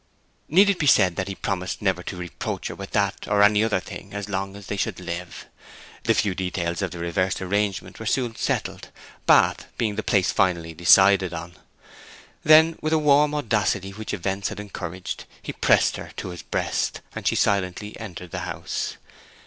Need it be said that he promised never to reproach her with that or any other thing as long as they should live? The few details of the reversed arrangement were soon settled, Bath being the place finally decided on. Then, with a warm audacity which events had encouraged, he pressed her to his breast, and she silently entered the house.